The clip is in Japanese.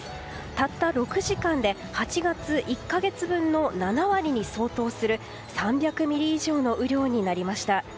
たった６時間で８月１か月分の７割に相当する３００ミリ以上の雨量になりました。